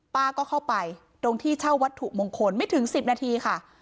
ป้าก็เข้าไปตรงที่เช่าวัตถุมงคลไม่ถึง๑๐นาทีค่ะ